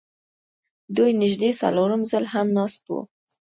دوی نږدې څلورم ځل هم ناست وو